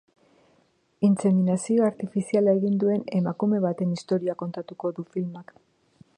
Intseminazio artifiziala egin duen emakume baten istorioa kontatuko du filmak.